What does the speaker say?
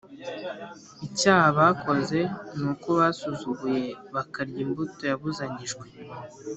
Icyaha bakoze ni uko basuzuguye bakarya imbuto yabuzanyijwe